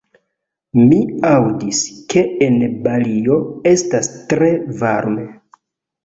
Mi aŭdis, ke en Balio estas tre varme.